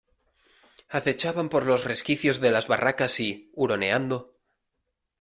acechaban por los resquicios de las barracas, y , huroneando ,